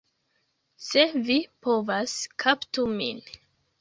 Se vi povas, kaptu min!